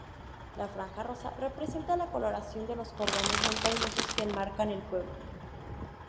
La franja "Rosa", representa la coloración de los cordones montañosos que enmarcan el Pueblo.